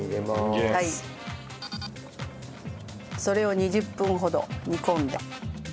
それを２０分ほど煮込んで。